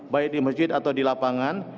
baik di masjid atau di lapangan